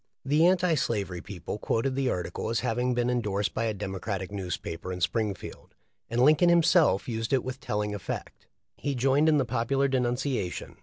The anti slavery people quoted the article as hav ing been endorsed by a Demoratic newspaper in Springfield, and Linoln himself used it with telling effect. He joined in the popular denunciation.